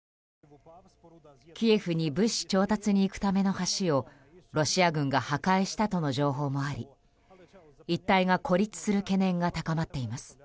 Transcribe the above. キエフに物資調達に行くための橋をロシア軍が破壊したとの情報もあり一帯が孤立する懸念が高まっています。